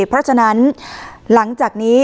เพราะฉะนั้นหลังจากนี้